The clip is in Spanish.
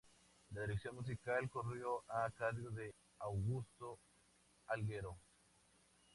La dirección musical corrió a cargo de Augusto Algueró.